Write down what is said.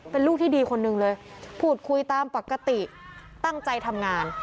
เป็นลูกที่ดีคนหนึ่งเลยพูดคุยตามปกติตั้งใจทำงาน